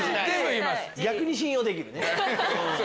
逆に信用できるね。